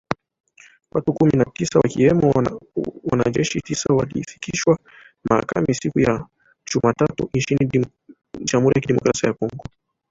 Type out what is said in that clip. Watu kumi na sita wakiwemo wanajeshi tisa walifikishwa mahakamani siku ya Jumatatu nchini Jamhuri ya Kidemokrasi ya Kongo.